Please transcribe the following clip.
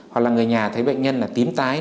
hoặc là người nhà thấy bệnh nhân là tím tái